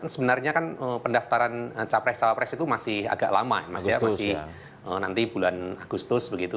sebenarnya kan pendaftaran capres capres itu masih agak lama masih nanti bulan agustus begitu